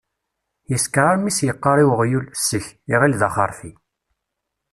Yeskeṛ armi s-yeqqar i weɣyul “ssek”, iɣill d axerfi.